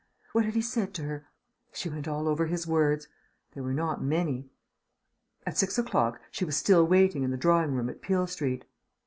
What had he said to her? She went over all his words.... They were not many. At six o'clock she was still waiting in the drawing room at Peele Crescent....